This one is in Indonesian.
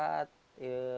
berbaut sama orang lain